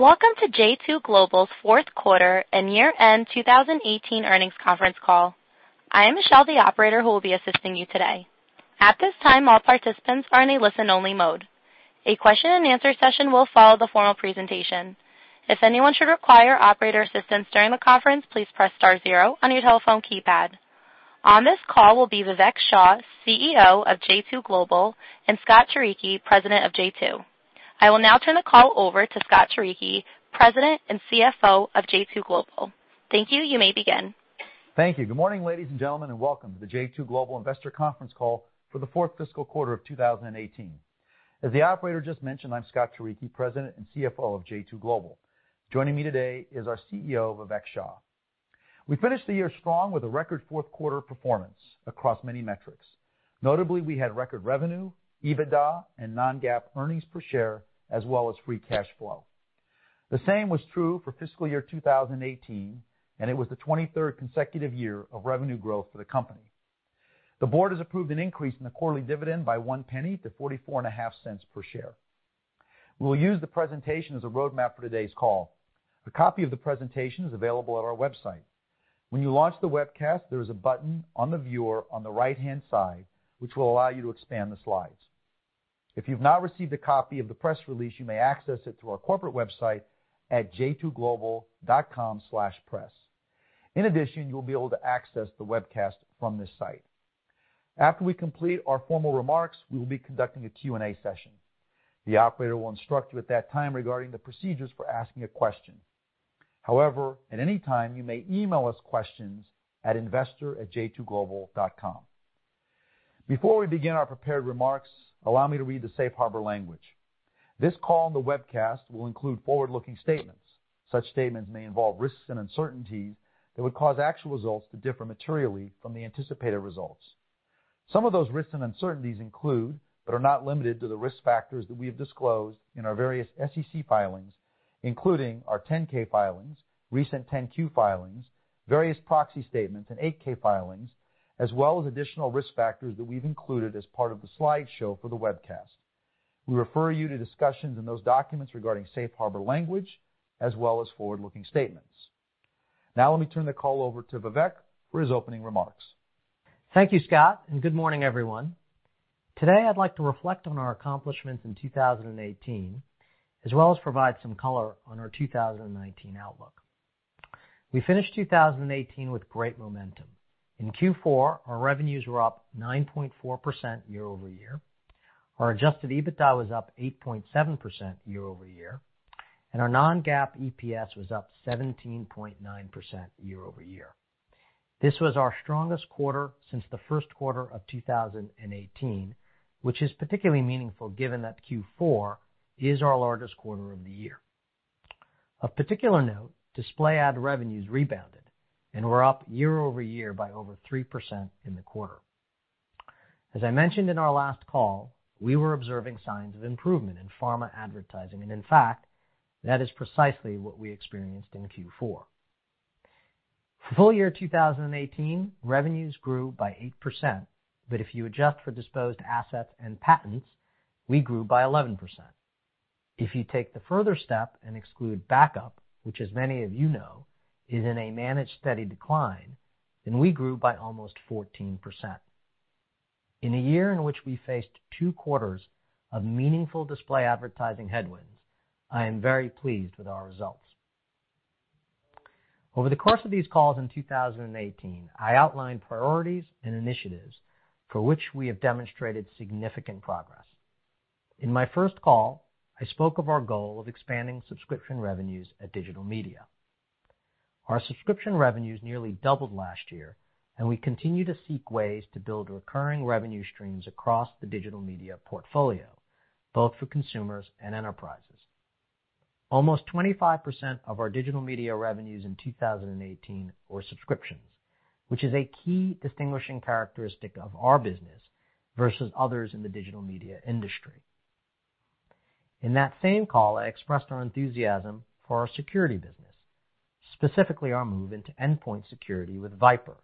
Welcome to J2 Global's fourth quarter and year-end 2018 earnings conference call. I am Michelle, the operator who will be assisting you today. At this time, all participants are in a listen-only mode. A question and answer session will follow the formal presentation. If anyone should require operator assistance during the conference, please press star zero on your telephone keypad. On this call will be Vivek Shah, CEO of J2 Global, and Scott Turicchi, President of J2. I will now turn the call over to Scott Turicchi, President and CFO of J2 Global. Thank you. You may begin. Thank you. Good morning, ladies and gentlemen, welcome to the J2 Global Investor Conference call for the fourth fiscal quarter of 2018. As the operator just mentioned, I'm Scott Turicchi, President and CFO of J2 Global. Joining me today is our CEO, Vivek Shah. We finished the year strong with a record fourth-quarter performance across many metrics. Notably, we had record revenue, EBITDA, and non-GAAP earnings per share, as well as free cash flow. The same was true for fiscal year 2018, and it was the 23rd consecutive year of revenue growth for the company. The board has approved an increase in the quarterly dividend by one penny to $0.445 per share. We'll use the presentation as a roadmap for today's call. A copy of the presentation is available at our website. When you launch the webcast, there is a button on the viewer on the right-hand side, which will allow you to expand the slides. If you've not received a copy of the press release, you may access it through our corporate website at j2global.com/press. In addition, you'll be able to access the webcast from this site. After we complete our formal remarks, we will be conducting a Q&A session. The operator will instruct you at that time regarding the procedures for asking a question. However, at any time, you may email us questions at investor@j2global.com. Before we begin our prepared remarks, allow me to read the safe harbor language. This call on the webcast will include forward-looking statements. Such statements may involve risks and uncertainties that would cause actual results to differ materially from the anticipated results. Some of those risks and uncertainties include, but are not limited to, the risk factors that we have disclosed in our various SEC filings, including our 10-K filings, recent 10-Q filings, various proxy statements, and 8-K filings, as well as additional risk factors that we've included as part of the slideshow for the webcast. We refer you to discussions in those documents regarding safe harbor language as well as forward-looking statements. Now let me turn the call over to Vivek for his opening remarks. Thank you, Scott, and good morning, everyone. Today, I'd like to reflect on our accomplishments in 2018, as well as provide some color on our 2019 outlook. We finished 2018 with great momentum. In Q4, our revenues were up 9.4% year-over-year. Our adjusted EBITDA was up 8.7% year-over-year, and our non-GAAP EPS was up 17.9% year-over-year. This was our strongest quarter since the first quarter of 2018, which is particularly meaningful given that Q4 is our largest quarter of the year. Of particular note, display ad revenues rebounded and were up year-over-year by over 3% in the quarter. As I mentioned in our last call, we were observing signs of improvement in pharma advertising, and in fact, that is precisely what we experienced in Q4. Full year 2018, revenues grew by 8%, but if you adjust for disposed assets and patents, we grew by 11%. If you take the further step and exclude backup, which as many of you know, is in a managed steady decline, we grew by almost 14%. In a year in which we faced two quarters of meaningful display advertising headwinds, I am very pleased with our results. Over the course of these calls in 2018, I outlined priorities and initiatives for which we have demonstrated significant progress. In my first call, I spoke of our goal of expanding subscription revenues at Digital Media. Our subscription revenues nearly doubled last year, and we continue to seek ways to build recurring revenue streams across the Digital Media portfolio, both for consumers and enterprises. Almost 25% of our Digital Media revenues in 2018 were subscriptions, which is a key distinguishing characteristic of our business versus others in the digital media industry. In that same call, I expressed our enthusiasm for our security business, specifically our move into endpoint security with Vipre,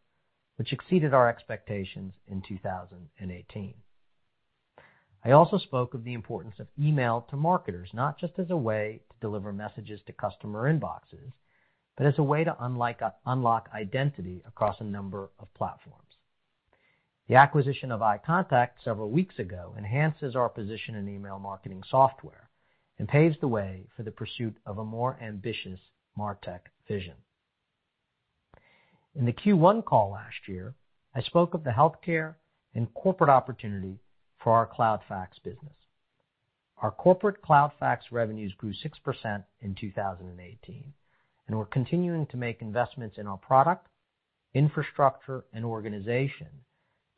which exceeded our expectations in 2018. I also spoke of the importance of email to marketers, not just as a way to deliver messages to customer inboxes, but as a way to unlock identity across a number of platforms. The acquisition of iContact several weeks ago enhances our position in email marketing software and paves the way for the pursuit of a more ambitious MarTech vision. In the Q1 call last year, I spoke of the healthcare and corporate opportunity for our Cloud Fax business. Our corporate Cloud Fax revenues grew 6% in 2018, and we're continuing to make investments in our product, infrastructure, and organization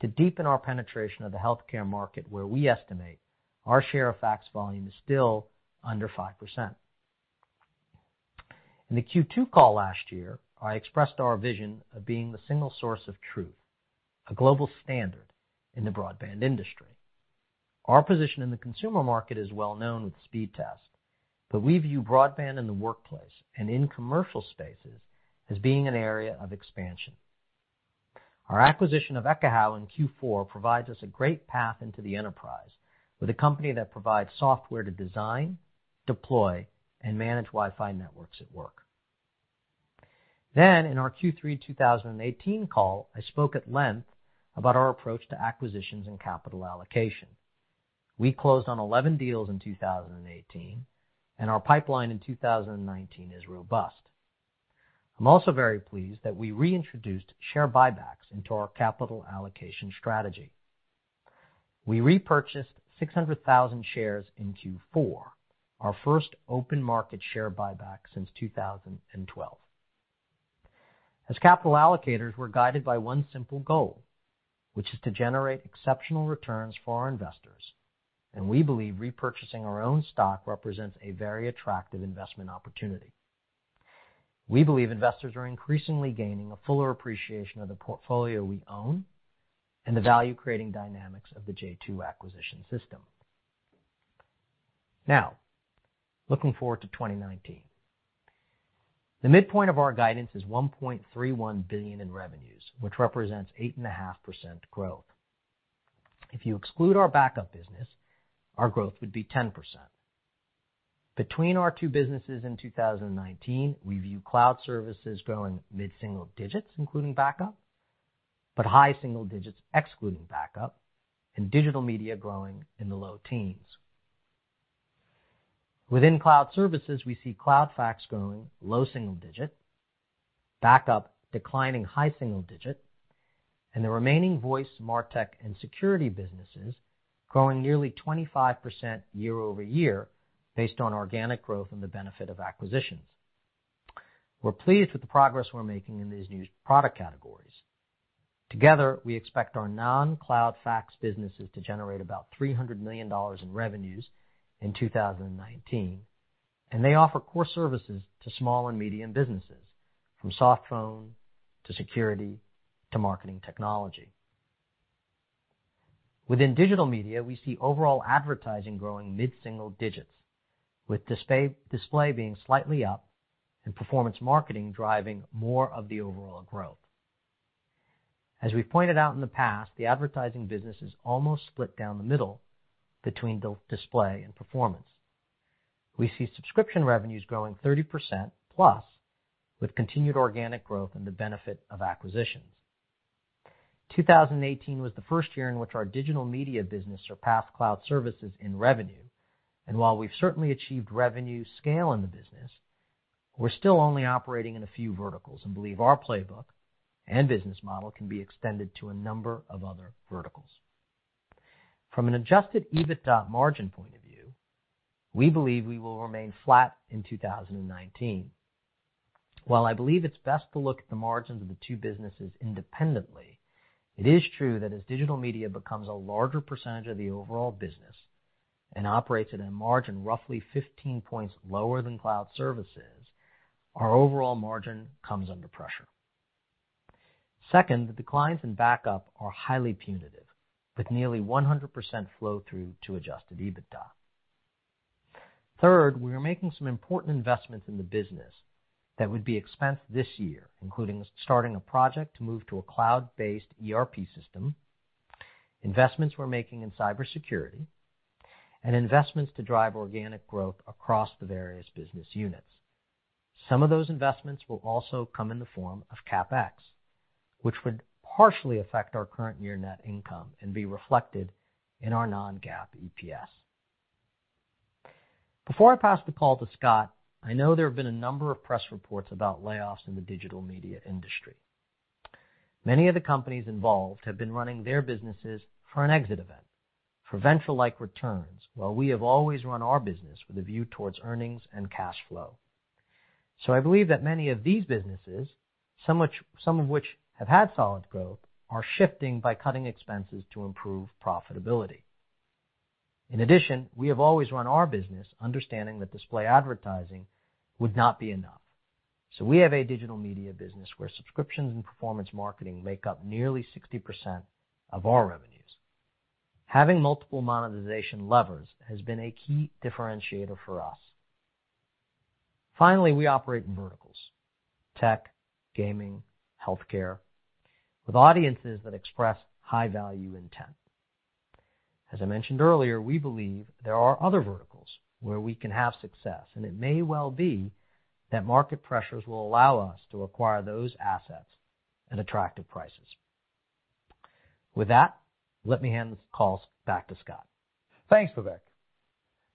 to deepen our penetration of the healthcare market, where we estimate our share of fax volume is still under 5%. In the Q2 call last year, I expressed our vision of being the single source of truth, a global standard in the broadband industry. Our position in the consumer market is well known with Speedtest, but we view broadband in the workplace and in commercial spaces as being an area of expansion. Our acquisition of Ekahau in Q4 provides us a great path into the enterprise with a company that provides software to design, deploy, and manage Wi-Fi networks at work. In our Q3 2018 call, I spoke at length about our approach to acquisitions and capital allocation. We closed on 11 deals in 2018, our pipeline in 2019 is robust. I'm also very pleased that we reintroduced share buybacks into our capital allocation strategy. We repurchased 600,000 shares in Q4, our first open market share buyback since 2012. As capital allocators, we're guided by one simple goal, which is to generate exceptional returns for our investors. We believe repurchasing our own stock represents a very attractive investment opportunity. We believe investors are increasingly gaining a fuller appreciation of the portfolio we own and the value-creating dynamics of the J2 acquisition system. Looking forward to 2019, the midpoint of our guidance is $1.31 billion in revenues, which represents 8.5% growth. If you exclude our backup business, our growth would be 10%. Between our two businesses in 2019, we view cloud services growing mid-single digits, including backup, but high single digits excluding backup, and digital media growing in the low teens. Within cloud services, we see cloud fax growing low single digits, backup declining high single digits, and the remaining voice MarTech and security businesses growing nearly 25% year-over-year based on organic growth and the benefit of acquisitions. We're pleased with the progress we're making in these new product categories. Together, we expect our non-cloud fax businesses to generate about $300 million in revenues in 2019. They offer core services to small and medium businesses, from soft phone to security to marketing technology. Within digital media, we see overall advertising growing mid-single digits, with display being slightly up and performance marketing driving more of the overall growth. As we pointed out in the past, the advertising business is almost split down the middle between display and performance. We see subscription revenues growing 30%+ with continued organic growth and the benefit of acquisitions. 2018 was the first year in which our digital media business surpassed cloud services in revenue. While we've certainly achieved revenue scale in the business, we're still only operating in a few verticals and believe our playbook and business model can be extended to a number of other verticals. From an adjusted EBITDA margin point of view, we believe we will remain flat in 2019. While I believe it's best to look at the margins of the two businesses independently, it is true that as digital media becomes a larger percentage of the overall business and operates at a margin roughly 15 points lower than cloud services, our overall margin comes under pressure. Second, the declines in backup are highly punitive, with nearly 100% flow-through to adjusted EBITDA. Third, we are making some important investments in the business that would be expensed this year, including starting a project to move to a cloud-based ERP system, investments we're making in cybersecurity, and investments to drive organic growth across the various business units. Some of those investments will also come in the form of CapEx, which would partially affect our current year net income and be reflected in our non-GAAP EPS. Before I pass the call to Scott, I know there have been a number of press reports about layoffs in the digital media industry. Many of the companies involved have been running their businesses for an exit event, for venture-like returns, while we have always run our business with a view towards earnings and cash flow. I believe that many of these businesses, some of which have had solid growth, are shifting by cutting expenses to improve profitability. In addition, we have always run our business understanding that display advertising would not be enough. We have a digital media business where subscriptions and performance marketing make up nearly 60% of our revenues. Having multiple monetization levers has been a key differentiator for us. Finally, we operate in verticals, tech, gaming, healthcare, with audiences that express high-value intent. As I mentioned earlier, we believe there are other verticals where we can have success, and it may well be that market pressures will allow us to acquire those assets at attractive prices. With that, let me hand this call back to Scott. Thanks, Vivek.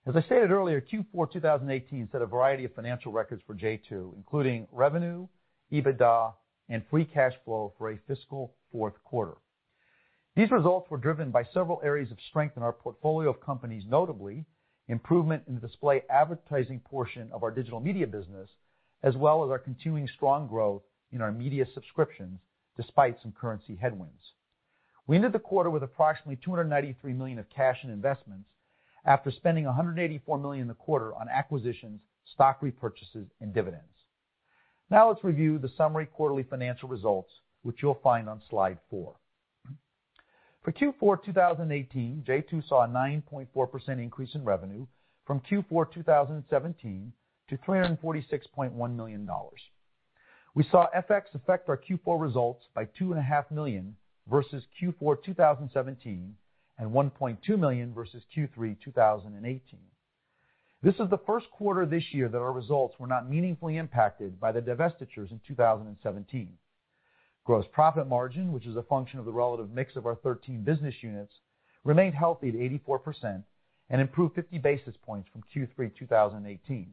As I stated earlier, Q4 2018 set a variety of financial records for J2, including revenue, EBITDA, and free cash flow for a fiscal fourth quarter. These results were driven by several areas of strength in our portfolio of companies, notably improvement in the display advertising portion of our digital media business, as well as our continuing strong growth in our media subscriptions, despite some currency headwinds. We ended the quarter with approximately $293 million of cash and investments after spending $184 million in the quarter on acquisitions, stock repurchases, and dividends. Let's review the summary quarterly financial results, which you'll find on slide four. For Q4 2018, J2 saw a 9.4% increase in revenue from Q4 2017 to $346.1 million. We saw FX affect our Q4 results by $2.5 million versus Q4 2017, and $1.2 million versus Q3 2018. This is the first quarter this year that our results were not meaningfully impacted by the divestitures in 2017. Gross profit margin, which is a function of the relative mix of our 13 business units, remained healthy at 84% and improved 50 basis points from Q3 2018.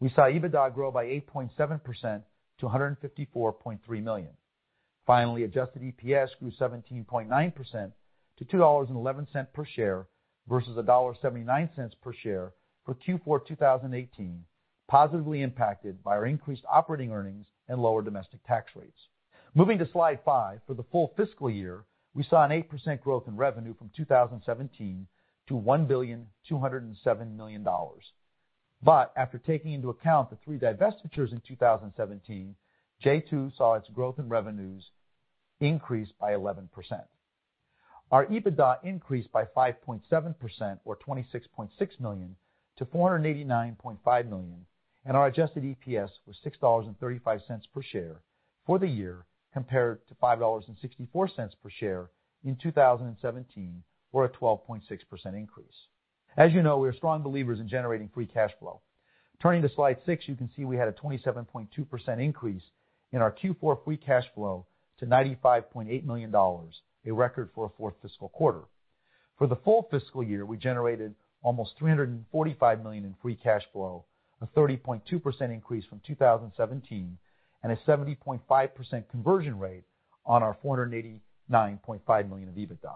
We saw EBITDA grow by 8.7% to $154.3 million. Finally, adjusted EPS grew 17.9% to $2.11 per share versus $1.79 per share for Q4 2018, positively impacted by our increased operating earnings and lower domestic tax rates. Moving to slide five, for the full fiscal year, we saw an 8% growth in revenue from 2017 to $1.207 billion. After taking into account the three divestitures in 2017, J2 saw its growth in revenues increase by 11%. Our EBITDA increased by 5.7% or $26.6 million to $489.5 million, and our adjusted EPS was $6.35 per share for the year, compared to $5.64 per share in 2017, or a 12.6% increase. As you know, we are strong believers in generating free cash flow. Turning to slide six, you can see we had a 27.2% increase in our Q4 free cash flow to $95.8 million, a record for a fourth fiscal quarter. For the full fiscal year, we generated almost $345 million in free cash flow, a 30.2% increase from 2017, and a 70.5% conversion rate on our $489.5 million of EBITDA.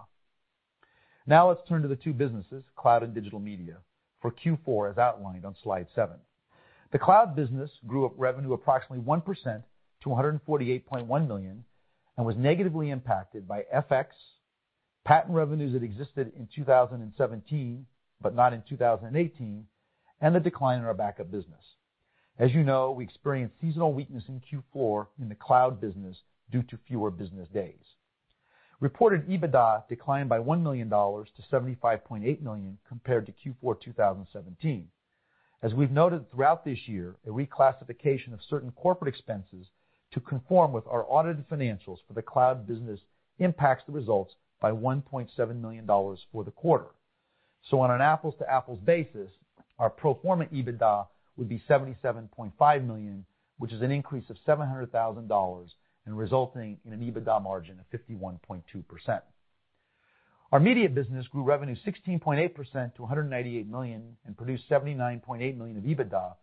Let's turn to the two businesses, cloud and digital media, for Q4, as outlined on slide seven. The cloud business grew revenue approximately 1% to $148.1 million and was negatively impacted by FX, patent revenues that existed in 2017 but not in 2018, and the decline in our backup business. As you know, we experienced seasonal weakness in Q4 in the cloud business due to fewer business days. Reported EBITDA declined by $1 million to $75.8 million compared to Q4 2017. As we've noted throughout this year, a reclassification of certain corporate expenses to conform with our audited financials for the cloud business impacts the results by $1.7 million for the quarter. On an apples-to-apples basis, our pro forma EBITDA would be $77.5 million, which is an increase of $700,000 and resulting in an EBITDA margin of 51.2%. Our media business grew revenue 16.8% to $198 million and produced $79.8 million of EBITDA,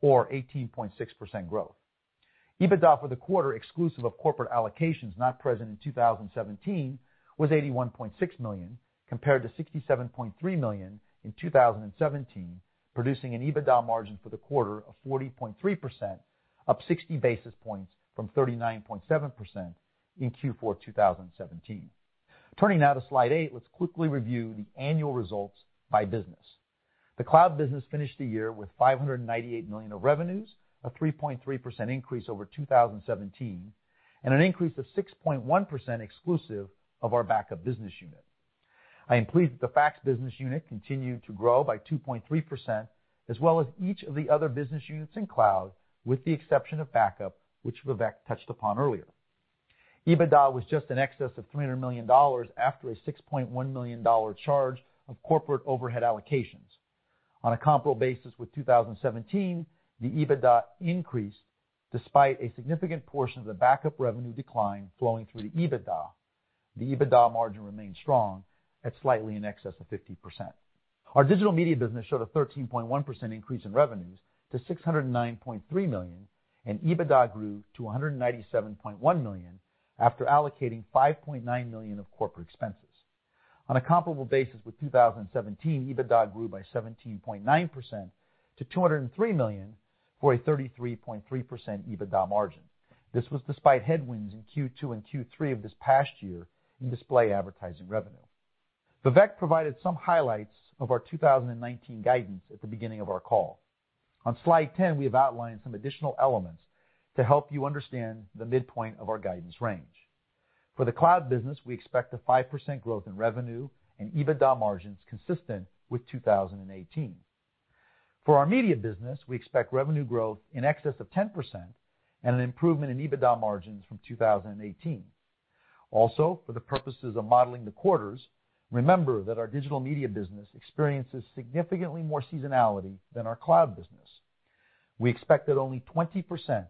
or 18.6% growth. EBITDA for the quarter, exclusive of corporate allocations not present in 2017, was $81.6 million, compared to $67.3 million in 2017, producing an EBITDA margin for the quarter of 40.3%, up 60 basis points from 39.7% in Q4 2017. Turning now to slide eight, let's quickly review the annual results by business. The cloud business finished the year with $598 million of revenues, a 3.3% increase over 2017, and an increase of 6.1% exclusive of our backup business unit. I am pleased that the fax business unit continued to grow by 2.3%, as well as each of the other business units in cloud, with the exception of backup, which Vivek touched upon earlier. EBITDA was just in excess of $300 million after a $6.1 million charge of corporate overhead allocations. On a comparable basis with 2017, the EBITDA increased despite a significant portion of the backup revenue decline flowing through the EBITDA. The EBITDA margin remained strong at slightly in excess of 50%. Our digital media business showed a 13.1% increase in revenues to $609.3 million, and EBITDA grew to $197.1 million after allocating $5.9 million of corporate expenses. On a comparable basis with 2017, EBITDA grew by 17.9% to $203 million, for a 33.3% EBITDA margin. This was despite headwinds in Q2 and Q3 of this past year in display advertising revenue. Vivek provided some highlights of our 2019 guidance at the beginning of our call. On slide 10, we have outlined some additional elements to help you understand the midpoint of our guidance range. For the cloud business, we expect a 5% growth in revenue and EBITDA margins consistent with 2018. For our media business, we expect revenue growth in excess of 10% and an improvement in EBITDA margins from 2018. Also, for the purposes of modeling the quarters, remember that our digital media business experiences significantly more seasonality than our cloud business. We expect that only 20%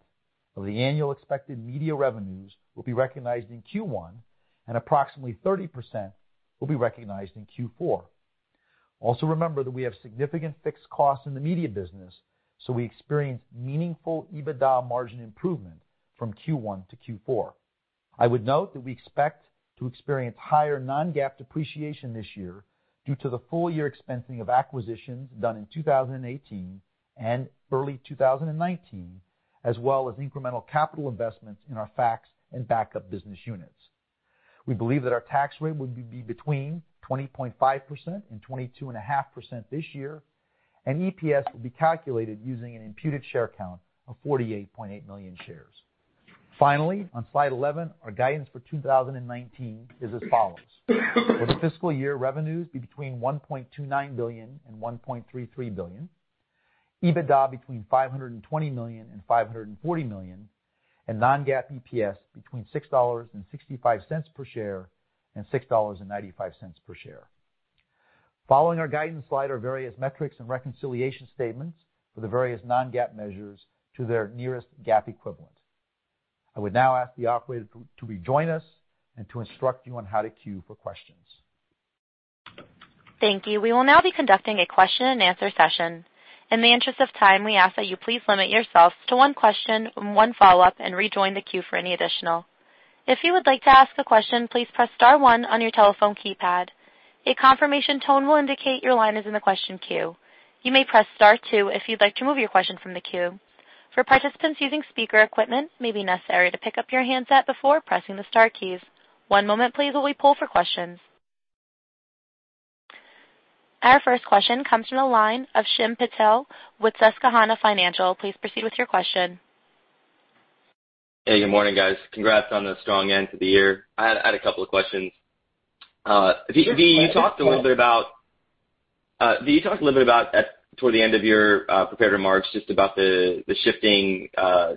of the annual expected media revenues will be recognized in Q1, and approximately 30% will be recognized in Q4. Also remember that we have significant fixed costs in the media business, so we experience meaningful EBITDA margin improvement from Q1 to Q4. I would note that we expect to experience higher non-GAAP depreciation this year due to the full-year expensing of acquisitions done in 2018 and early 2019, as well as incremental capital investments in our fax and backup business units. We believe that our tax rate will be between 20.5% and 22.5% this year. EPS will be calculated using an imputed share count of 48.8 million shares. Finally, on slide 11, our guidance for 2019 is as follows. For the fiscal year, revenues be between $1.29 billion and $1.33 billion, EBITDA between $520 million and $540 million, and non-GAAP EPS between $6.65 per share and $6.95 per share. Following our guidance slide are various metrics and reconciliation statements for the various non-GAAP measures to their nearest GAAP equivalent. I would now ask the operator to rejoin us and to instruct you on how to queue for questions. Thank you. We will now be conducting a question and answer session. In the interest of time, we ask that you please limit yourselves to one question and one follow-up, and rejoin the queue for any additional. If you would like to ask a question, please press star one on your telephone keypad. A confirmation tone will indicate your line is in the question queue. You may press star two if you'd like to remove your question from the queue. For participants using speaker equipment, it may be necessary to pick up your handset before pressing the star keys. One moment please while we poll for questions. Our first question comes from the line of Shyam Patel with Susquehanna Financial. Please proceed with your question. Hey, good morning, guys. Congrats on the strong end to the year. I had a couple of questions. Sure. V, you talked a little bit about, toward the end of your prepared remarks, just about the shifting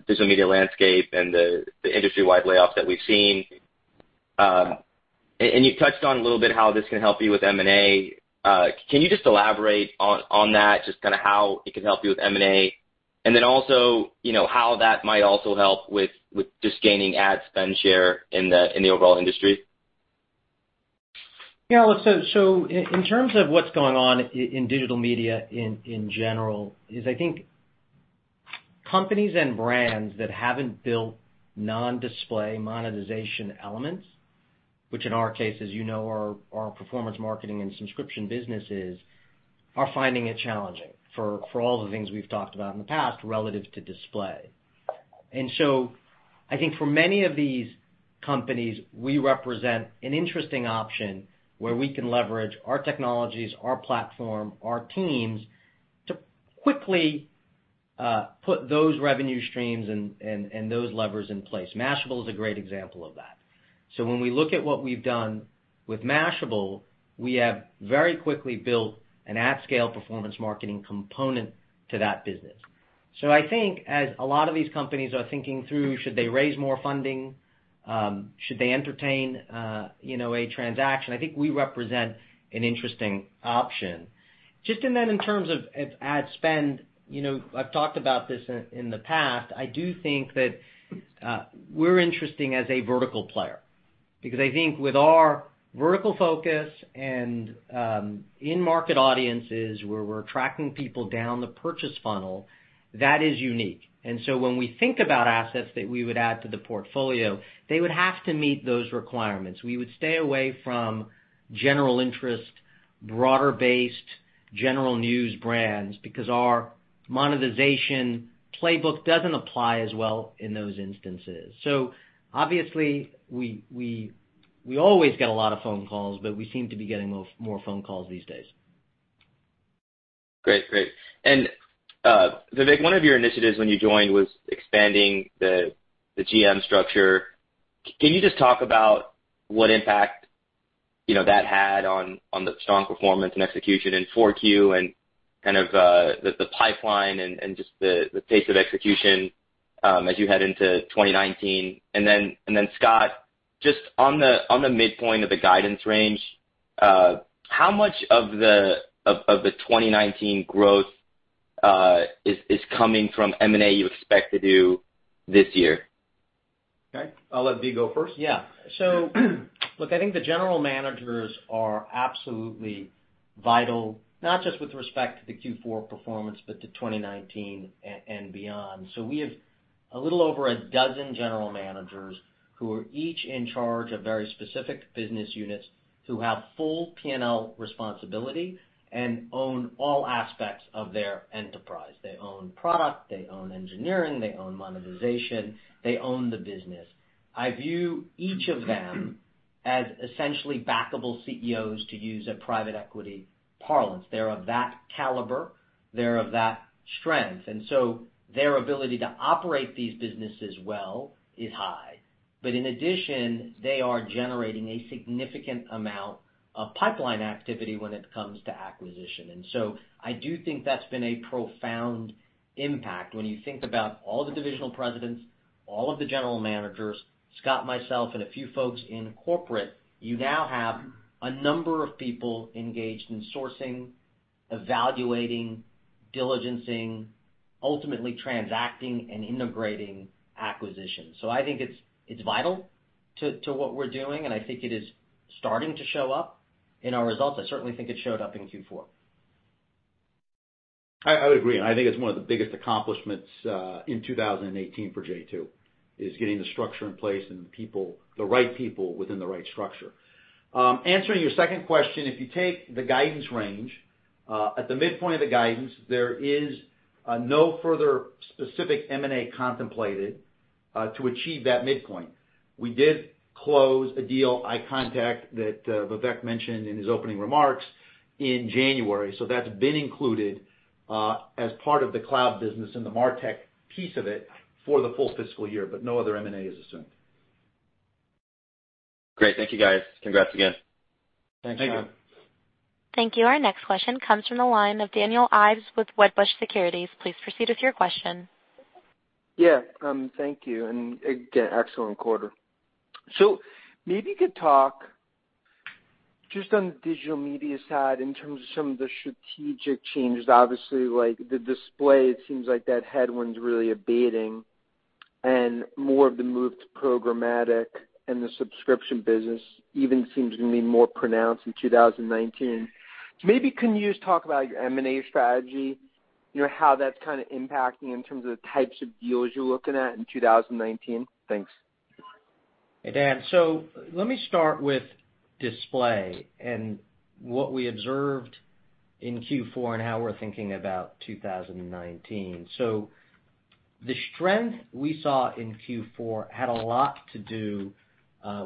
digital media landscape and the industry-wide layoffs that we've seen. You touched on a little bit how this can help you with M&A. Can you just elaborate on that, just kind of how it can help you with M&A? Then also, how that might also help with just gaining ad spend share in the overall industry? Yeah. In terms of what's going on in digital media in general is, I think companies and brands that haven't built non-display monetization elements, which in our case, as you know, are our performance marketing and subscription businesses, are finding it challenging for all the things we've talked about in the past relative to display. I think for many of these companies, we represent an interesting option where we can leverage our technologies, our platform, our teams, to quickly put those revenue streams and those levers in place. Mashable is a great example of that. When we look at what we've done with Mashable, we have very quickly built an at-scale performance marketing component to that business. I think as a lot of these companies are thinking through, should they raise more funding, should they entertain a transaction, I think we represent an interesting option. Just in that in terms of ad spend, I've talked about this in the past, I do think that we're interesting as a vertical player because I think with our vertical focus and in-market audiences where we're attracting people down the purchase funnel, that is unique. When we think about assets that we would add to the portfolio, they would have to meet those requirements. We would stay away from general interest, broader-based general news brands because our monetization playbook doesn't apply as well in those instances. Obviously we always get a lot of phone calls, but we seem to be getting more phone calls these days. Great. Vivek, one of your initiatives when you joined was expanding the GM structure. Can you just talk about what impact that had on the strong performance and execution in 4Q and kind of the pipeline and just the pace of execution as you head into 2019? Scott, just on the midpoint of the guidance range, how much of the 2019 growth is coming from M&A you expect to do this year? Okay. I'll let Vivek go first. Yeah. Look, I think the general managers are absolutely vital, not just with respect to the Q4 performance, but to 2019 and beyond. We have a little over 12 general managers who are each in charge of very specific business units, who have full P&L responsibility and own all aspects of their enterprise. They own product, they own engineering, they own monetization, they own the business. I view each of them as essentially backable CEOs to use a private equity parlance. They're of that caliber, they're of that strength. Their ability to operate these businesses well is high. In addition, they are generating a significant amount of pipeline activity when it comes to acquisition. I do think that's been a profound impact when you think about all the divisional presidents, all of the general managers, Scott, myself, and a few folks in corporate, you now have a number of people engaged in sourcing, evaluating, diligencing, ultimately transacting and integrating acquisitions. I think it's vital to what we're doing, and I think it is starting to show up in our results. I certainly think it showed up in Q4. I would agree, I think it's one of the biggest accomplishments in 2018 for J2, is getting the structure in place and the right people within the right structure. Answering your second question, if you take the guidance range, at the midpoint of the guidance, there is no further specific M&A contemplated. To achieve that midpoint. We did close a deal, iContact, that Vivek mentioned in his opening remarks in January. That's been included, as part of the cloud business in the MarTech piece of it for the full fiscal year, but no other M&A is assumed. Great. Thank you guys. Congrats again. Thanks. Thank you. Our next question comes from the line of Daniel Ives with Wedbush Securities. Please proceed with your question. Yeah. Thank you. Again, excellent quarter. Maybe you could talk just on the digital media side in terms of some of the strategic changes. Obviously, like the display, it seems like that headwind's really abating, and more of the move to programmatic and the subscription business even seems to be more pronounced in 2019. Maybe can you just talk about your M&A strategy? How that's kind of impacting in terms of the types of deals you're looking at in 2019? Thanks. Hey, Dan. Let me start with display and what we observed in Q4 and how we're thinking about 2019. The strength we saw in Q4 had a lot to do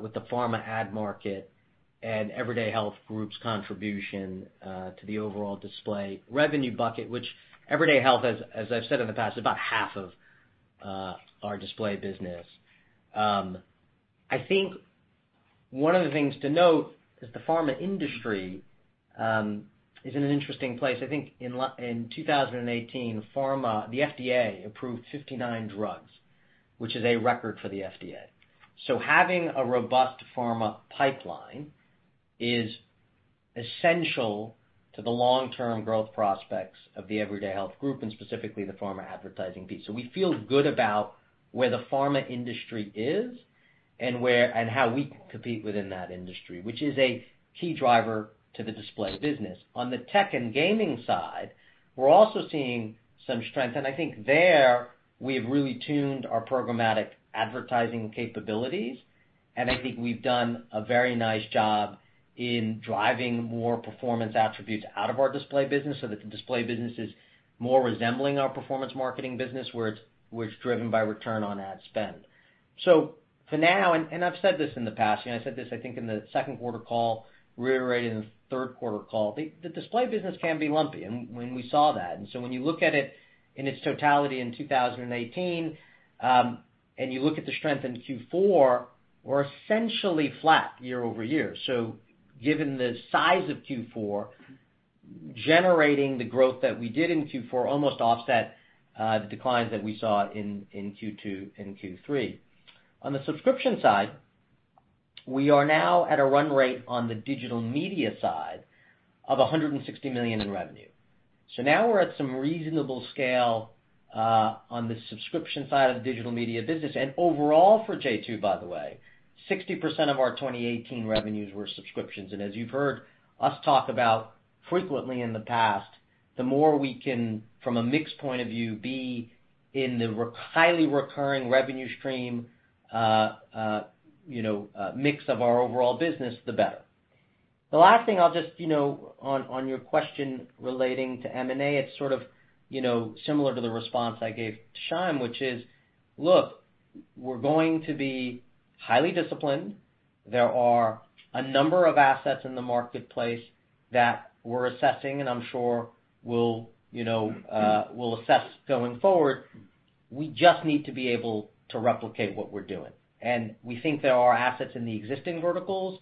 with the pharma ad market and Everyday Health group's contribution to the overall display revenue bucket, which Everyday Health has, as I've said in the past, about half of our display business. I think one of the things to note is the pharma industry, is in an interesting place. I think in 2018, the FDA approved 59 drugs, which is a record for the FDA. Having a robust pharma pipeline is essential to the long-term growth prospects of the Everyday Health group and specifically the pharma advertising piece. We feel good about where the pharma industry is and how we compete within that industry, which is a key driver to the display business. On the tech and gaming side, we're also seeing some strength. I think there we have really tuned our programmatic advertising capabilities, I think we've done a very nice job in driving more performance attributes out of our display business, so that the display business is more resembling our performance marketing business, where it's driven by return on ad spend. For now, and I've said this in the past, I said this, I think, in the second quarter call, reiterated in the third quarter call, the display business can be lumpy and we saw that. When you look at it in its totality in 2018, and you look at the strength in Q4, we're essentially flat year-over-year. Given the size of Q4, generating the growth that we did in Q4 almost offset the declines that we saw in Q2 and Q3. On the subscription side, we are now at a run rate on the digital media side of $160 million in revenue. Now we're at some reasonable scale, on the subscription side of the digital media business. Overall for J2, by the way, 60% of our 2018 revenues were subscriptions. As you've heard us talk about frequently in the past, the more we can, from a mix point of view, be in the highly recurring revenue stream mix of our overall business, the better. The last thing I'll on your question relating to M&A, it's sort of similar to the response I gave Shyam, which is, look, we're going to be highly disciplined. There are a number of assets in the marketplace that we're assessing, and I'm sure we'll assess going forward. We just need to be able to replicate what we're doing. We think there are assets in the existing verticals,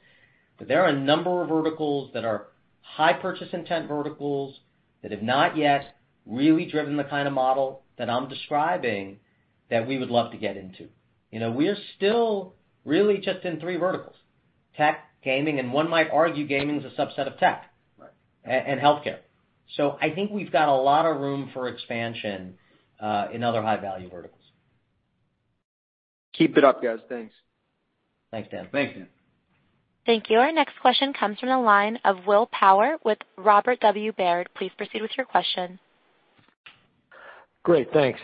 but there are a number of verticals that are high purchase intent verticals that have not yet really driven the kind of model that I'm describing that we would love to get into. We are still really just in three verticals: tech, gaming, and one might argue gaming's a subset of tech. Right and healthcare. I think we've got a lot of room for expansion in other high-value verticals. Keep it up, guys. Thanks. Thanks, Dan. Thank you. Our next question comes from the line of Will Power with Robert W Baird. Please proceed with your question. Great, thanks.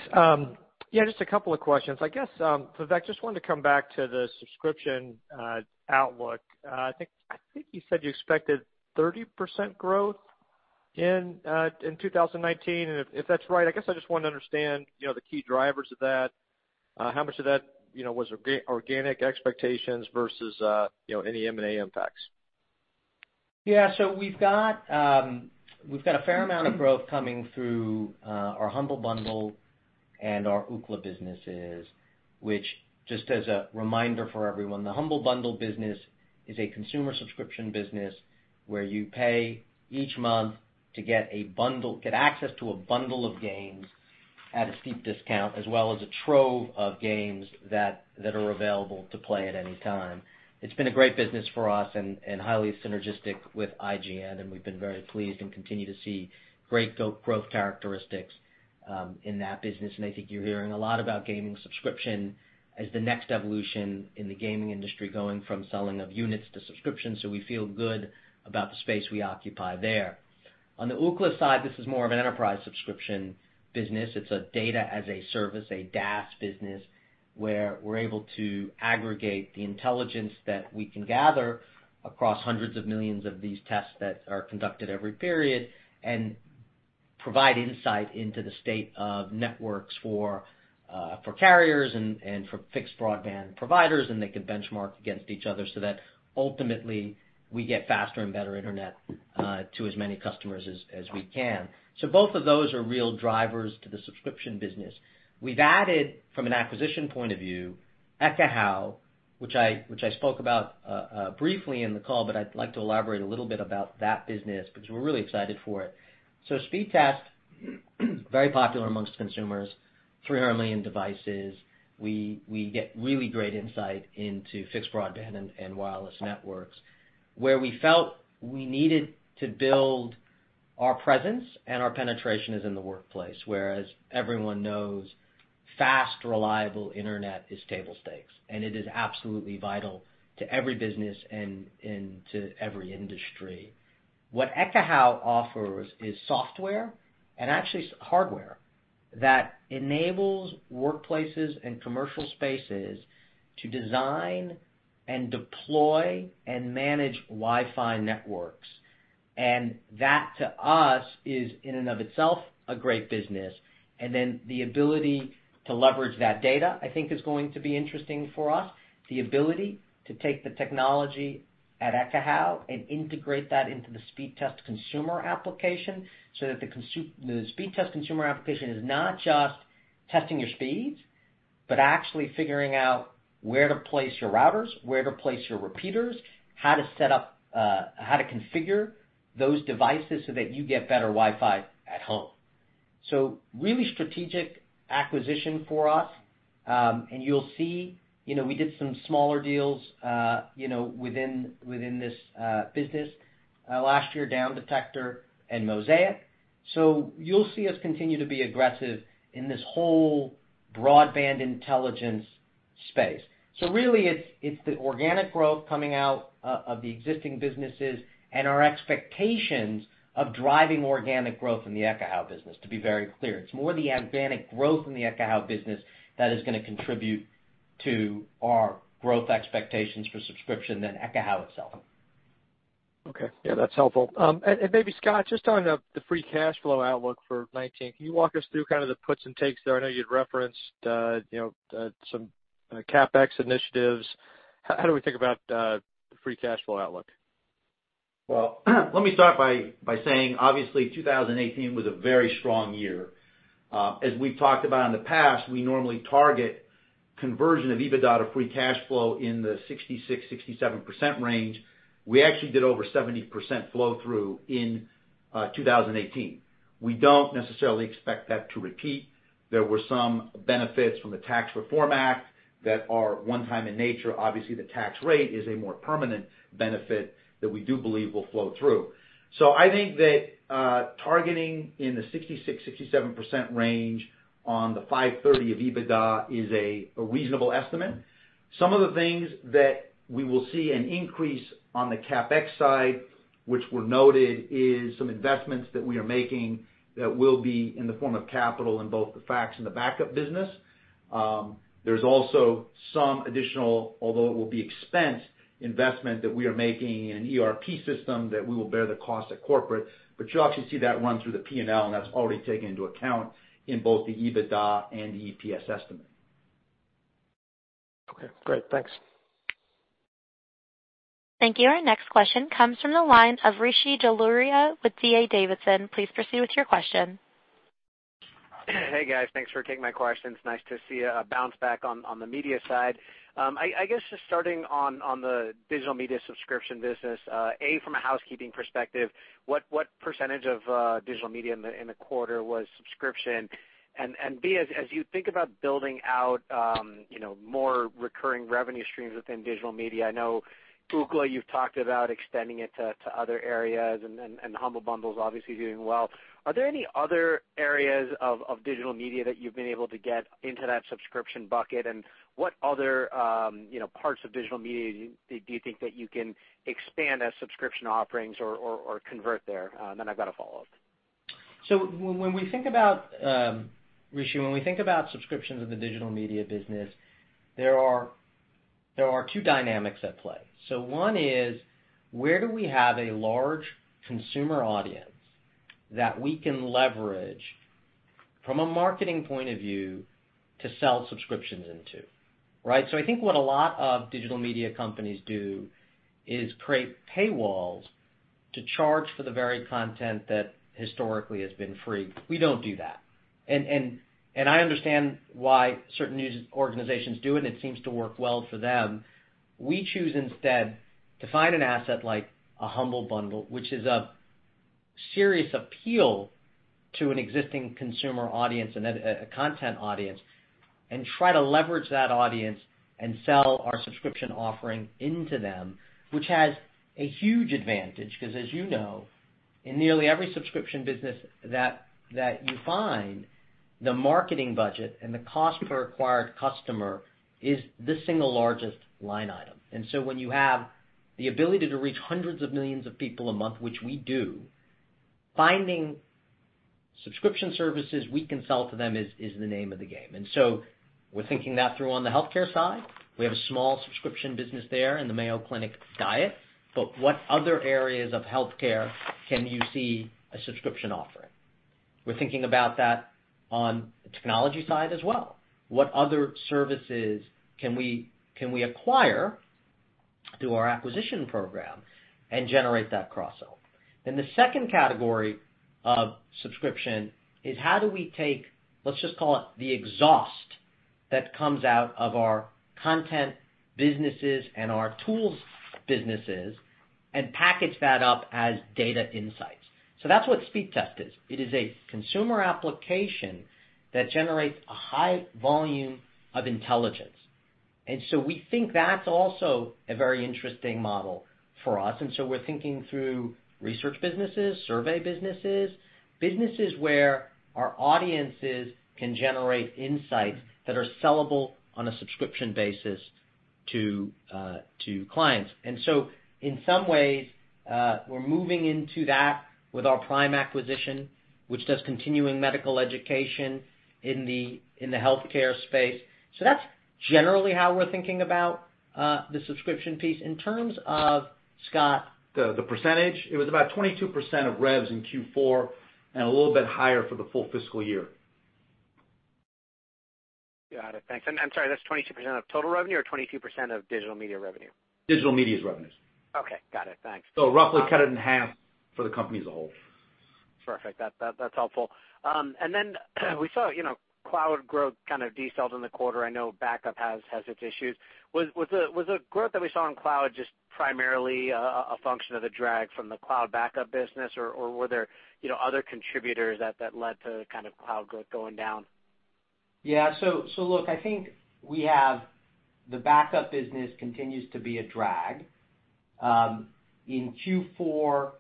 Yeah, just a couple of questions. I guess, Vivek, just wanted to come back to the subscription outlook. I think you said you expected 30% growth in 2019. If that's right, I guess I just wanted to understand the key drivers of that. How much of that was organic expectations versus any M&A impacts? Yeah. We've got a fair amount of growth coming through our Humble Bundle and our Ookla businesses, which just as a reminder for everyone, the Humble Bundle business is a consumer subscription business where you pay each month to get access to a bundle of games at a steep discount, as well as a trove of games that are available to play at any time. It's been a great business for us and highly synergistic with IGN, and we've been very pleased and continue to see great growth characteristics in that business. I think you're hearing a lot about gaming subscription as the next evolution in the gaming industry, going from selling of units to subscriptions. We feel good about the space we occupy there. On the Ookla side, this is more of an enterprise subscription business. It's a Data as a Service, a DaaS business, where we're able to aggregate the intelligence that we can gather across hundreds of millions of these tests that are conducted every period. Provide insight into the state of networks for carriers and for fixed broadband providers, and they can benchmark against each other so that ultimately we get faster and better internet to as many customers as we can. Both of those are real drivers to the subscription business. We've added, from an acquisition point of view, Ekahau, which I spoke about briefly in the call, but I'd like to elaborate a little bit about that business because we're really excited for it. Speedtest, very popular amongst consumers, 300 million devices. We get really great insight into fixed broadband and wireless networks. Where we felt we needed to build our presence and our penetration is in the workplace, whereas everyone knows fast, reliable Internet is table stakes, and it is absolutely vital to every business and to every industry. What Ekahau offers is software and actually hardware that enables workplaces and commercial spaces to design and deploy and manage Wi-Fi networks. That, to us, is in and of itself, a great business. The ability to leverage that data, I think, is going to be interesting for us. The ability to take the technology at Ekahau and integrate that into the Speedtest consumer application, so that the Speedtest consumer application is not just testing your speeds, but actually figuring out where to place your routers, where to place your repeaters, how to configure those devices so that you get better Wi-Fi at home. Really strategic acquisition for us. You'll see we did some smaller deals within this business last year, DownDetector and Mosaik. You'll see us continue to be aggressive in this whole broadband intelligence space. Really, it's the organic growth coming out of the existing businesses and our expectations of driving organic growth in the Ekahau business, to be very clear. It's more the organic growth in the Ekahau business that is going to contribute to our growth expectations for subscription than Ekahau itself. Okay. Yeah, that's helpful. Maybe Scott, just talking about the free cash flow outlook for 2019, can you walk us through kind of the puts and takes there? I know you had referenced some CapEx initiatives. How do we think about the free cash flow outlook? Well, let me start by saying, obviously, 2018 was a very strong year. As we've talked about in the past, we normally target conversion of EBITDA to free cash flow in the 66%-67% range. We actually did over 70% flow-through in 2018. We don't necessarily expect that to repeat. There were some benefits from the Tax Reform Act that are one time in nature. Obviously, the tax rate is a more permanent benefit that we do believe will flow through. I think that targeting in the 66%-67% range on the $530 of EBITDA is a reasonable estimate. Some of the things that we will see an increase on the CapEx side, which were noted, is some investments that we are making that will be in the form of capital in both the fax and the backup business. There's also some additional, although it will be expensed, investment that we are making in ERP system that we will bear the cost at corporate. You'll actually see that run through the P&L, and that's already taken into account in both the EBITDA and the EPS estimate. Okay, great. Thanks. Thank you. Our next question comes from the line of Rishi Jaluria with DA Davidson. Please proceed with your question. Hey, guys. Thanks for taking my questions. Nice to see a bounce back on the media side. I guess just starting on the digital media subscription business, A, from a housekeeping perspective, what % of digital media in the quarter was subscription? B, as you think about building out more recurring revenue streams within digital media, I know Ookla, you've talked about extending it to other areas and Humble Bundle's obviously doing well. Are there any other areas of digital media that you've been able to get into that subscription bucket? What other parts of digital media do you think that you can expand as subscription offerings or convert there? I've got a follow-up. When we think about, Rishi, when we think about subscriptions in the digital media business, there are two dynamics at play. One is, where do we have a large consumer audience that we can leverage from a marketing point of view to sell subscriptions into, right? I think what a lot of digital media companies do is create paywalls to charge for the very content that historically has been free. We don't do that. I understand why certain news organizations do it, and it seems to work well for them. We choose instead to find an asset like a Humble Bundle, which is a serious appeal to an existing consumer audience and a content audience, and try to leverage that audience and sell our subscription offering into them, which has a huge advantage, because as you know, in nearly every subscription business that you find, the marketing budget and the cost per acquired customer is the single largest line item. When you have the ability to reach hundreds of millions of people a month, which we do, finding subscription services we can sell to them is the name of the game. We're thinking that through on the healthcare side. We have a small subscription business there in the Mayo Clinic Diet, what other areas of healthcare can you see a subscription offering? We're thinking about that on the technology side as well. What other services can we acquire through our acquisition program and generate that crossover? The second category of subscription is how do we take, let's just call it, the exhaust that comes out of our content businesses and our tools businesses, and package that up as data insights. That's what Speedtest is. It is a consumer application that generates a high volume of intelligence. We think that's also a very interesting model for us, we're thinking through research businesses, survey businesses where our audiences can generate insights that are sellable on a subscription basis to clients. In some ways, we're moving into that with our PRIME acquisition, which does continuing medical education in the healthcare space. That's generally how we're thinking about the subscription piece. In terms of, Scott The percentage, it was about 22% of revs in Q4 and a little bit higher for the full fiscal year. Got it. Thanks. I'm sorry, that's 22% of total revenue or 22% of digital media revenue? Digital media revenues. Okay. Got it. Thanks. roughly cut it in half for the company as a whole. Perfect. That's helpful. Then we saw cloud growth kind of decelerated in the quarter. I know backup has its issues. Was the growth that we saw in cloud just primarily a function of the drag from the cloud backup business? Or were there other contributors that led to kind of cloud growth going down? Yeah. look, I think the backup business continues to be a drag. In Q4,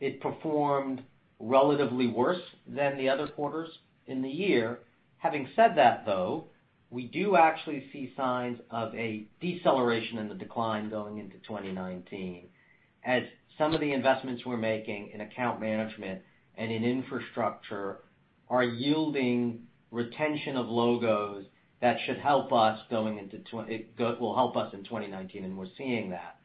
it performed relatively worse than the other quarters in the year. Having said that, though, we do actually see signs of a deceleration in the decline going into 2019, as some of the investments we're making in account management and in infrastructure are yielding retention of logos that will help us in 2019, and we're seeing that.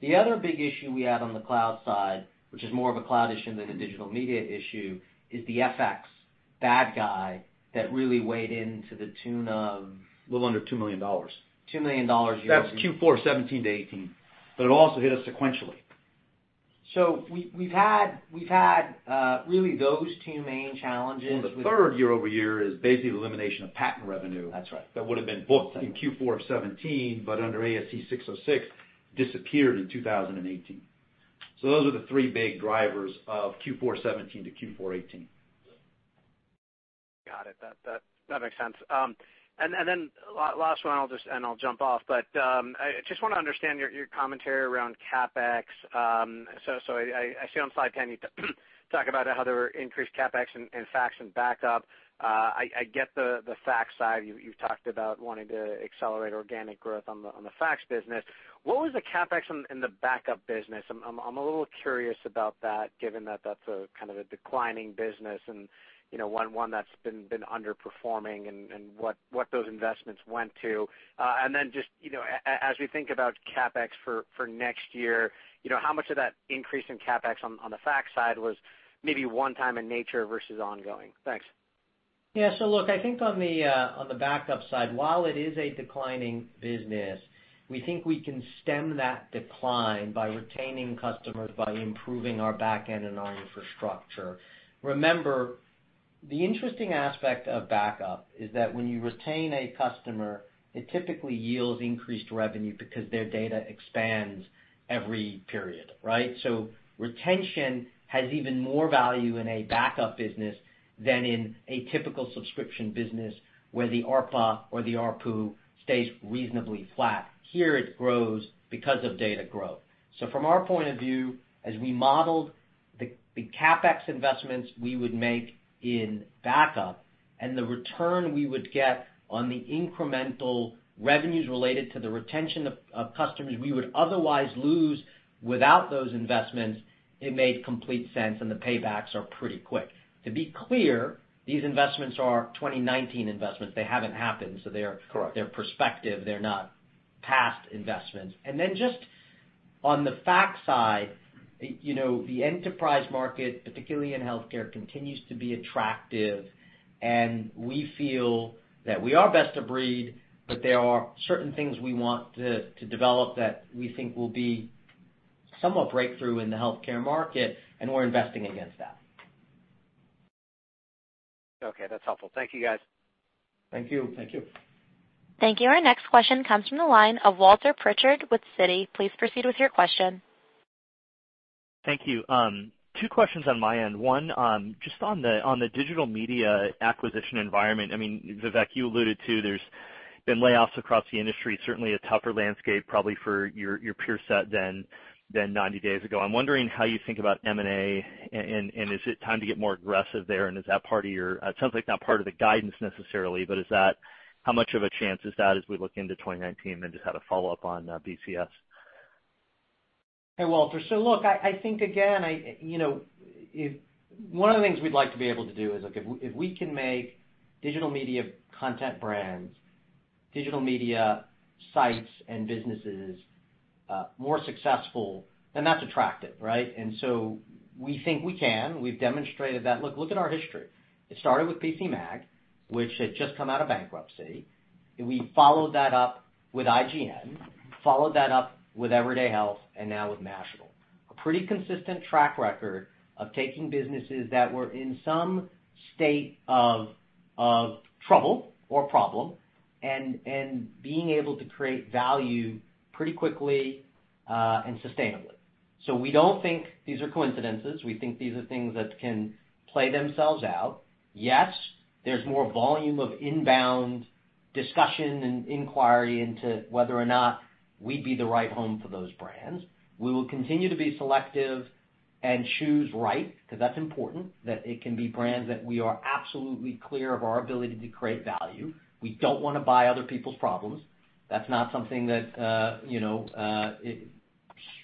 The other big issue we have on the cloud side, which is more of a cloud issue than a digital media issue, is the FX bad guy that really weighed into. A little under $2 million $2 million year over- That's Q4 2017 to 2018, but it also hit us sequentially. We've had really those two main challenges with- Well, the third year-over-year is basically the elimination of patent revenue- That's right that would've been booked in Q4 of 2017, but under ASC 606, disappeared in 2018. Those are the three big drivers of Q4 2017 to Q4 2018. Got it. That makes sense. Last one, and I'll jump off, but I just want to understand your commentary around CapEx. I see on slide 10 you talk about how there were increased CapEx in fax and backup. I get the fax side. You've talked about wanting to accelerate organic growth on the fax business. What was the CapEx in the backup business? I'm a little curious about that, given that that's a kind of a declining business and one that's been underperforming and what those investments went to. Then just as we think about CapEx for next year, how much of that increase in CapEx on the fax side was maybe one-time in nature versus ongoing? Thanks. Yeah. Look, I think on the backup side, while it is a declining business, we think we can stem that decline by retaining customers, by improving our back end and our infrastructure. Remember, the interesting aspect of backup is that when you retain a customer, it typically yields increased revenue because their data expands every period, right? Retention has even more value in a backup business than in a typical subscription business where the ARPA or the ARPU stays reasonably flat. Here it grows because of data growth. From our point of view, as we modeled the CapEx investments we would make in backup and the return we would get on the incremental revenues related to the retention of customers we would otherwise lose without those investments, it made complete sense, and the paybacks are pretty quick. To be clear, these investments are 2019 investments. They haven't happened. Correct They're perspective, they're not past investments. Then just on the fax side, the enterprise market, particularly in healthcare, continues to be attractive, and we feel that we are best of breed, but there are certain things we want to develop that we think will be somewhat breakthrough in the healthcare market, and we're investing against that. Okay, that's helpful. Thank you, guys. Thank you. Thank you. Thank you. Our next question comes from the line of Walter Pritchard with Citi. Please proceed with your question. Thank you. Two questions on my end. One, just on the digital media acquisition environment. I mean, Vivek, you alluded to there has been layoffs across the industry. Certainly a tougher landscape probably for your peer set than 90 days ago. I am wondering how you think about M&A and is it time to get more aggressive there, and is that part of your, it sounds like not part of the guidance necessarily, but how much of a chance is that as we look into 2019? Just had a follow-up on BCS. Hey, Walter. Look, I think again, one of the things we'd like to be able to do is if we can make digital media content brands, digital media sites and businesses more successful, then that's attractive, right? We think we can. We've demonstrated that. Look at our history. It started with PCMag, which had just come out of bankruptcy. We followed that up with IGN, followed that up with Everyday Health, and now with Mashable. A pretty consistent track record of taking businesses that were in some state of trouble or problem and being able to create value pretty quickly, and sustainably. We don't think these are coincidences. We think these are things that can play themselves out. Yes, there's more volume of inbound discussion and inquiry into whether or not we'd be the right home for those brands. We will continue to be selective and choose right, because that's important, that it can be brands that we are absolutely clear of our ability to create value. We don't want to buy other people's problems. That's not something that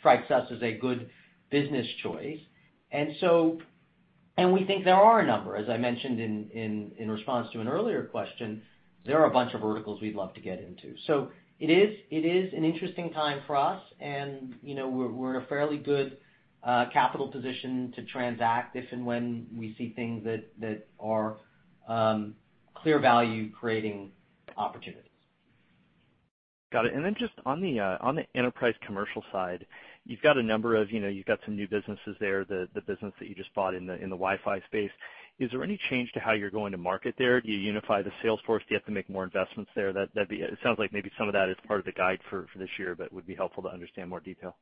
strikes us as a good business choice. We think there are a number, as I mentioned in response to an earlier question, there are a bunch of verticals we'd love to get into. It is an interesting time for us, and we're in a fairly good capital position to transact if and when we see things that are clear value-creating opportunities. Got it. Just on the enterprise commercial side, you've got some new businesses there, the business that you just bought in the Wi-Fi space. Is there any change to how you're going to market there? Do you unify the sales force? Do you have to make more investments there? It sounds like maybe some of that is part of the guide for this year, but it would be helpful to understand more detail.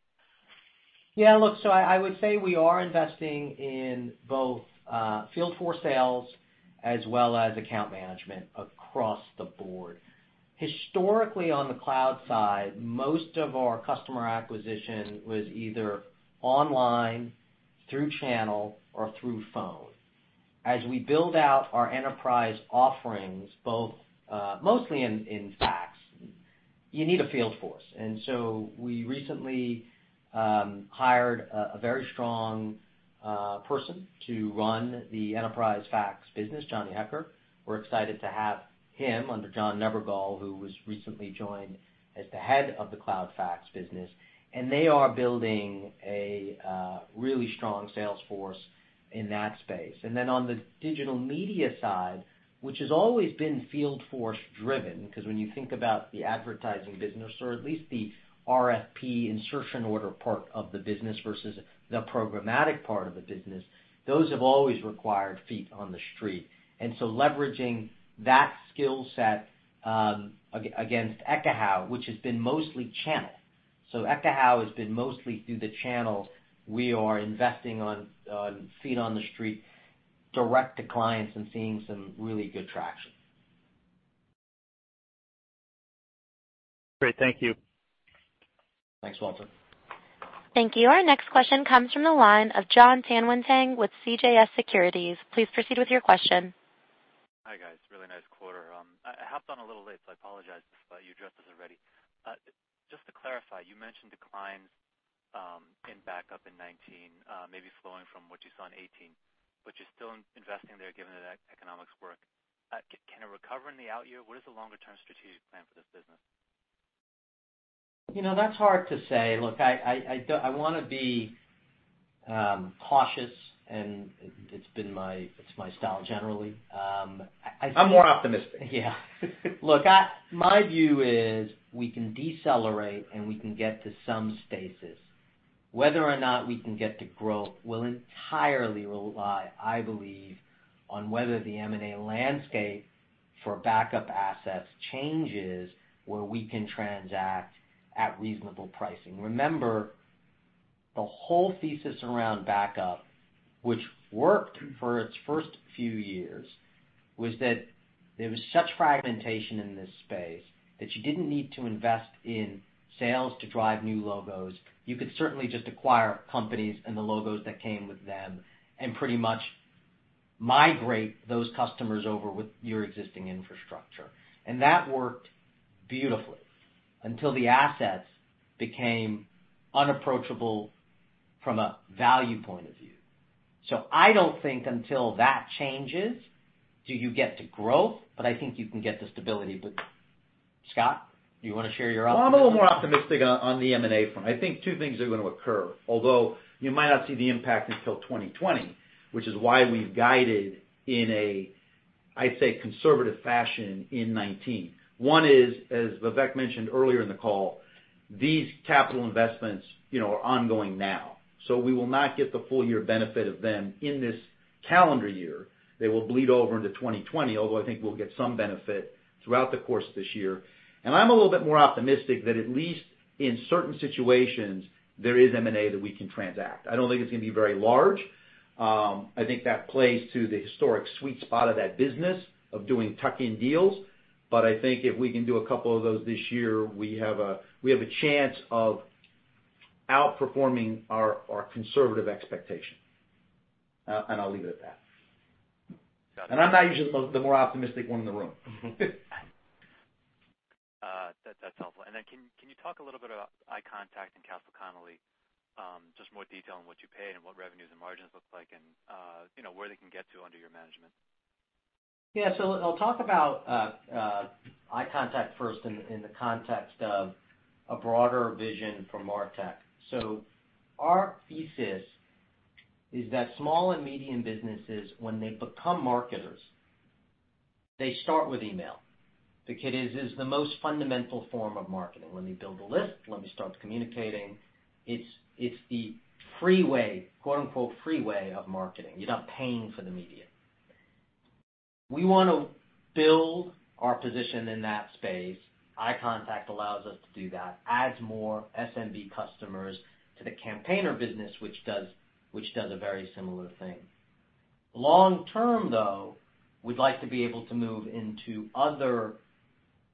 We would say we are investing in both field force sales as well as account management across the board. Historically, on the cloud side, most of our customer acquisition was either online, through channel, or through phone. As we build out our enterprise offerings, mostly in fax, you need a field force. We recently hired a very strong person to run the enterprise fax business, Johnny Hecker. We're excited to have him under John Nebergall, who was recently joined as the head of the cloud fax business, and they are building a really strong sales force in that space. On the digital media side, which has always been field force driven, because when you think about the advertising business, or at least the RFP insertion order part of the business versus the programmatic part of the business, those have always required feet on the street. Leveraging that skill set against Ekahau, which has been mostly channel. Ekahau has been mostly through the channels. We are investing on feet on the street, direct to clients, and seeing some really good traction. Great. Thank you. Thanks, Walter. Thank you. Our next question comes from the line of Jon Tanwanteng with CJS Securities. Please proceed with your question. Hi, guys. Really nice quarter. I hopped on a little late, so I apologize if you addressed this already. Just to clarify, you mentioned declines in backup in 2019, maybe flowing from what you saw in 2018, but you're still investing there given that economics work. Can it recover in the out year? What is the longer-term strategic plan for this business? That's hard to say. Look, I want to be cautious. It's my style generally. I'm more optimistic. Yeah. Look, my view is we can decelerate. We can get to some stasis. Whether or not we can get to growth will entirely rely, I believe, on whether the M&A landscape for backup assets changes where we can transact at reasonable pricing. Remember, the whole thesis around backup, which worked for its first few years, was that there was such fragmentation in this space that you didn't need to invest in sales to drive new logos. You could certainly just acquire companies and the logos that came with them and pretty much migrate those customers over with your existing infrastructure. That worked beautifully until the assets became unapproachable from a value point of view. I don't think until that changes, do you get to growth, but I think you can get to stability. Scott, do you want to share your optimism? Well, I'm a little more optimistic on the M&A front. I think two things are going to occur, although you might not see the impact until 2020, which is why we've guided in a, I'd say, conservative fashion in 2019. One is, as Vivek mentioned earlier in the call, these capital investments are ongoing now. We will not get the full-year benefit of them in this calendar year. They will bleed over into 2020, although I think we'll get some benefit throughout the course of this year. I'm a little bit more optimistic that at least in certain situations, there is M&A that we can transact. I don't think it's going to be very large. I think that plays to the historic sweet spot of that business of doing tuck-in deals. I think if we can do a couple of those this year, we have a chance of outperforming our conservative expectation. I'll leave it at that. Got it. I'm not usually the more optimistic one in the room. That's helpful. Can you talk a little bit about iContact and Castle Connolly, just more detail on what you paid and what revenues and margins look like, and where they can get to under your management? Yeah. I'll talk about iContact first in the context of a broader vision for MarTech. Our thesis is that small and medium businesses, when they become marketers, they start with email because it is the most fundamental form of marketing. Let me build a list. Let me start communicating. It's the "freeway" of marketing. You're not paying for the media. We want to build our position in that space. iContact allows us to do that, adds more SMB customers to the Campaigner business, which does a very similar thing. Long term, though, we'd like to be able to move into other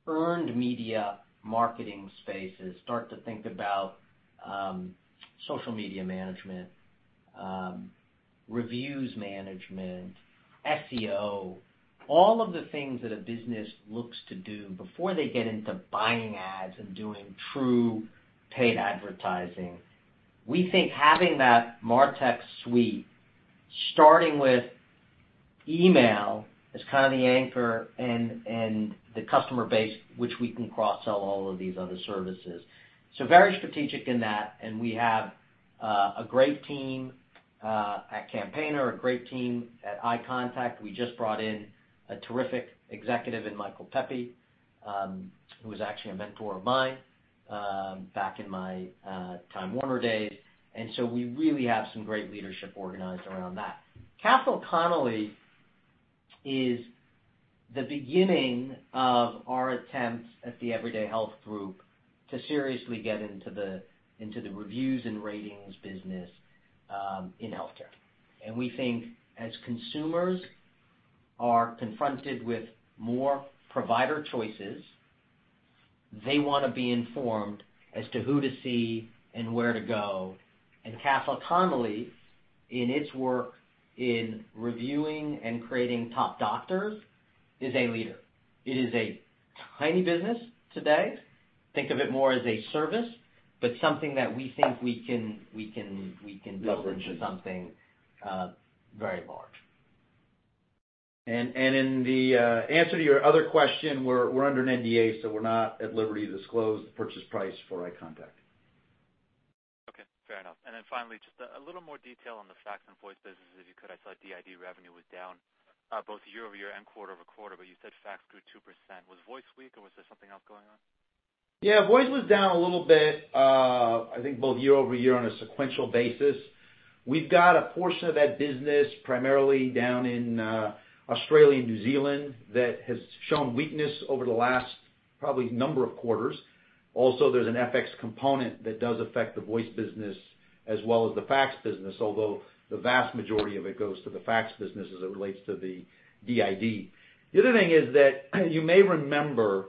earned media marketing spaces, start to think about social media management, reviews management, SEO, all of the things that a business looks to do before they get into buying ads and doing true paid advertising. We think having that MarTech suite, starting with email, is kind of the anchor and the customer base, which we can cross-sell all of these other services. Very strategic in that, and we have a great team at Campaigner, a great team at iContact. We just brought in a terrific executive in Michael Pepe, who was actually a mentor of mine back in my Time Warner days. We really have some great leadership organized around that. Castle Connolly is the beginning of our attempt at the Everyday Health Group to seriously get into the reviews and ratings business in healthcare. We think as consumers are confronted with more provider choices, they want to be informed as to who to see and where to go. Castle Connolly, in its work in reviewing and creating top doctors, is a leader. It is a tiny business today. Think of it more as a service. Leverage build into something very large. In the answer to your other question, we're under an NDA, so we're not at liberty to disclose the purchase price for iContact. Okay. Fair enough. Then finally, just a little more detail on the fax and voice businesses, if you could. I saw DID revenue was down both year-over-year and quarter-over-quarter, but you said fax grew 2%. Was voice weak, or was there something else going on? Yeah. Voice was down a little bit, I think, both year-over-year on a sequential basis. We've got a portion of that business primarily down in Australia and New Zealand that has shown weakness over the last probably number of quarters. Also, there's an FX component that does affect the voice business as well as the fax business, although the vast majority of it goes to the fax business as it relates to the DID. The other thing is that you may remember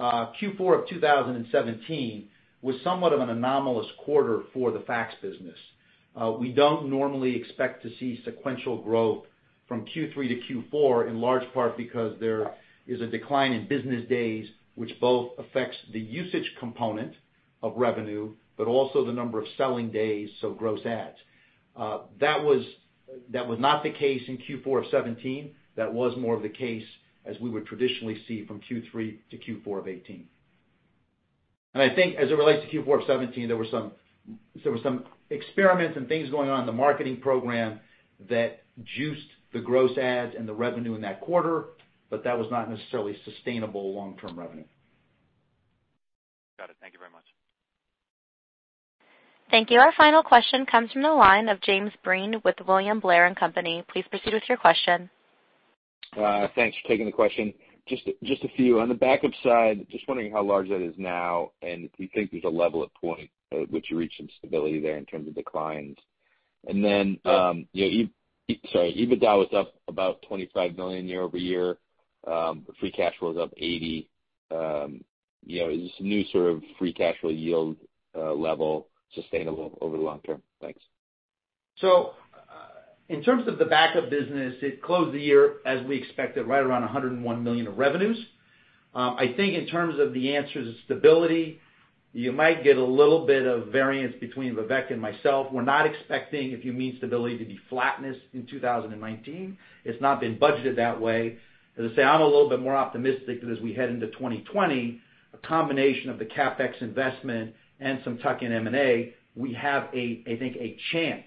Q4 of 2017 was somewhat of an anomalous quarter for the fax business. We don't normally expect to see sequential growth from Q3 to Q4, in large part because there is a decline in business days, which both affects the usage component of revenue, but also the number of selling days, so gross adds. That was not the case in Q4 of 2017. That was more of the case as we would traditionally see from Q3 to Q4 of 2018. I think as it relates to Q4 of 2017, there were some experiments and things going on in the marketing program that juiced the gross adds and the revenue in that quarter, but that was not necessarily sustainable long-term revenue. Got it. Thank you very much. Thank you. Our final question comes from the line of James Breen with William Blair & Company. Please proceed with your question. Thanks for taking the question. Just a few. On the backup side, just wondering how large that is now, and if you think there's a level at point at which you reach some stability there in terms of declines. Yeah. Sorry, EBITDA was up about $25 million year-over-year. Free cash flow is up $80. Is this new sort of free cash flow yield level sustainable over the long term? Thanks. In terms of the backup business, it closed the year as we expected, right around $101 million of revenues. I think in terms of the answer to stability, you might get a little bit of variance between Vivek and myself. We're not expecting, if you mean stability, to be flatness in 2019. It's not been budgeted that way. As I say, I'm a little bit more optimistic that as we head into 2020, a combination of the CapEx investment and some tuck-in M&A, we have, I think, a chance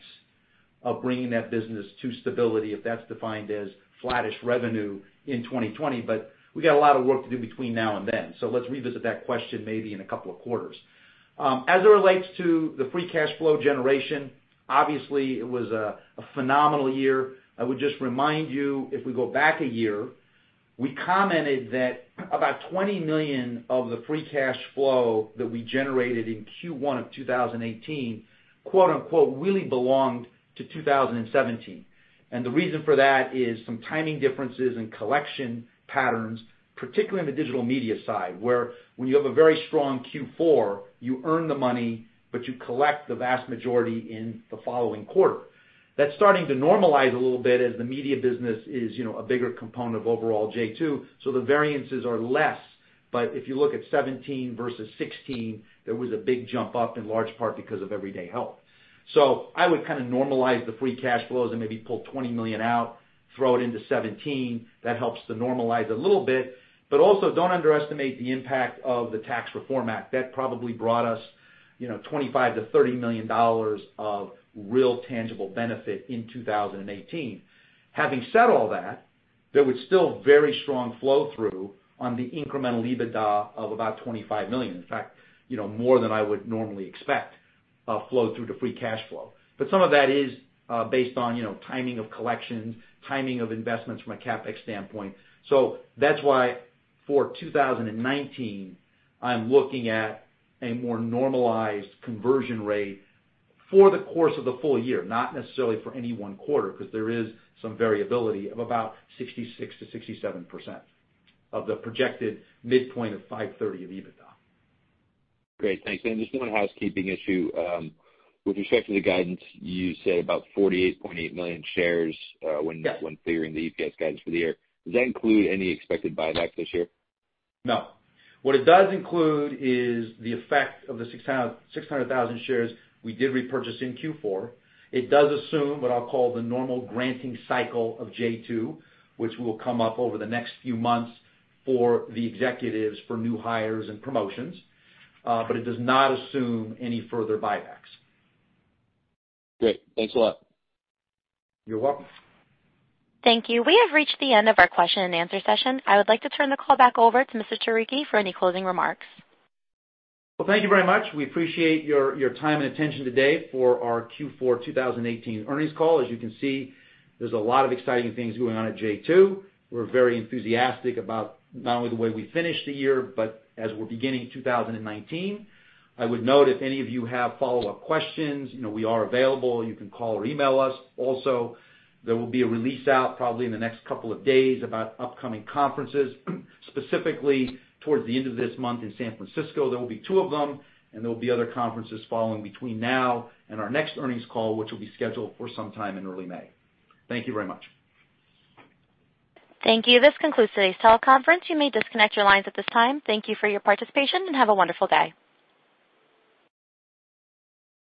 of bringing that business to stability, if that's defined as flattish revenue in 2020. We got a lot of work to do between now and then. Let's revisit that question maybe in a couple of quarters. As it relates to the free cash flow generation, obviously, it was a phenomenal year. I would just remind you, if we go back a year, we commented that about $20 million of the free cash flow that we generated in Q1 of 2018 "really belonged to 2017." The reason for that is some timing differences in collection patterns, particularly on the digital media side, where when you have a very strong Q4, you earn the money, but you collect the vast majority in the following quarter. That's starting to normalize a little bit as the media business is a bigger component of overall J2, so the variances are less. If you look at 2017 versus 2016, there was a big jump up in large part because of Everyday Health. I would kind of normalize the free cash flows and maybe pull $20 million out, throw it into 2017. That helps to normalize a little bit. Also don't underestimate the impact of the Tax Reform Act. That probably brought us $25 million-$30 million of real tangible benefit in 2018. Having said all that, there was still very strong flow-through on the incremental EBITDA of about $25 million. In fact, more than I would normally expect flow through to free cash flow. Some of that is based on timing of collections, timing of investments from a CapEx standpoint. That's why for 2019, I'm looking at a more normalized conversion rate for the course of the full year, not necessarily for any one quarter, because there is some variability of about 66%-67% of the projected midpoint of $530 of EBITDA. Great. Thanks. Just one housekeeping issue. With respect to the guidance, you said about 48.8 million shares- Yeah when figuring the EPS guidance for the year. Does that include any expected buyback this year? No. What it does include is the effect of the 600,000 shares we did repurchase in Q4. It does assume what I'll call the normal granting cycle of J2, which will come up over the next few months for the executives for new hires and promotions. It does not assume any further buybacks. Great. Thanks a lot. You're welcome. Thank you. We have reached the end of our question and answer session. I would like to turn the call back over to Mr. Turicchi for any closing remarks. Thank you very much. We appreciate your time and attention today for our Q4 2018 earnings call. As you can see, there's a lot of exciting things going on at J2. We're very enthusiastic about not only the way we finished the year, but as we're beginning 2019. I would note, if any of you have follow-up questions, we are available. You can call or email us. Also, there will be a release out probably in the next couple of days about upcoming conferences, specifically towards the end of this month in San Francisco. There will be two of them, and there will be other conferences following between now and our next earnings call, which will be scheduled for some time in early May. Thank you very much. Thank you. This concludes today's teleconference. You may disconnect your lines at this time. Thank you for your participation, and have a wonderful day.